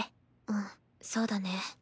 うんそうだね。